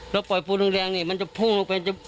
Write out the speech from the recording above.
สนาใจจมทับลงไป